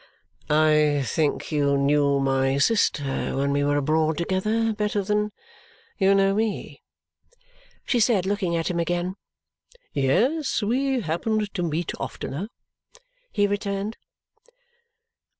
"I think you knew my sister when we were abroad together better than you know me?" she said, looking at him again. "Yes, we happened to meet oftener," he returned.